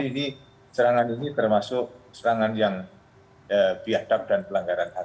jadi serangan ini termasuk serangan yang biadab dan pelanggaran